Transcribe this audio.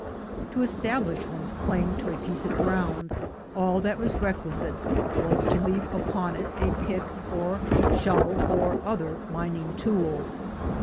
[To establish one's claim to a piece of ground, all that was requisite was to leave upon it a pick or shovel, or other mining tool.